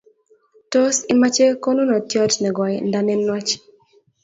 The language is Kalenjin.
tos imache konunotyot nekoi nda nenwach?